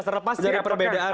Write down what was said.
serepas dari perbedaan